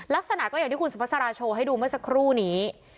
ลักษณะก็อย่างที่คุณสุภาษาโชว์ให้ดูเมื่อสักครู่นี้